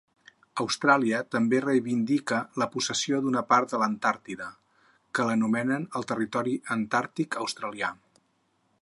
Austràlia també reivindica la possessió d'una part de l'Antàrtida, que anomenen el Territori Antàrtic Australià.